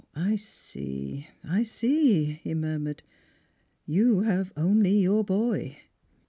" I see I see," he murmured. " You have only your boy."